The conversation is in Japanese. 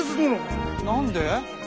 何で？